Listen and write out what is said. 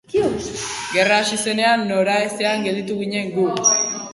Gerra hasi zenean noraezean gelditu ginen gu.